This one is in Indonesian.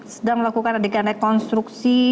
sedang melakukan adegan rekonstruksi